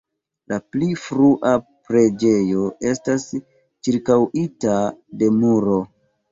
La pli frua preĝejo estas ĉirkaŭita de muro.